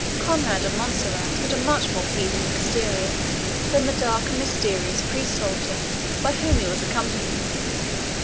Conrade of Montserrat had a much more pleasing exterior than the dark and mysterious priest soldier by whom he was accompanied.